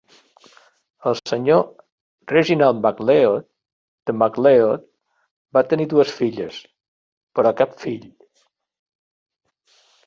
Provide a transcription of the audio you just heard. El senyor Reginald MacLeod de MacLeod va tenir dues filles, però cap fill.